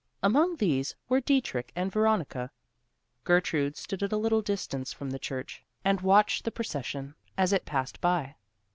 Among these were Dietrich and Veronica. Gertrude stood at a little distance from the church, and watched the procession as it passed by.